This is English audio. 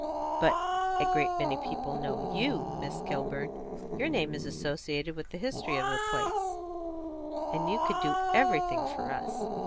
"But a great many people know you, Miss Kilburn. Your name is associated with the history of the place, and you could do everything for us.